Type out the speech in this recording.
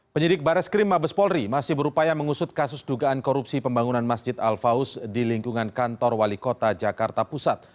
penyidik bareskrim mabes polri masih berupaya mengusut kasus dugaan korupsi pembangunan masjid al faus di lingkungan kantor wali kota jakarta pusat